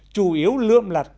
chủ yếu lượm lặt